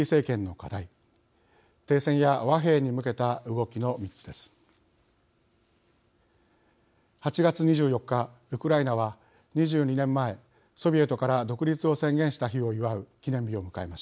解説のポイントは８月２４日ウクライナは２２年前ソビエトから独立を宣言した日を祝う記念日を迎えました。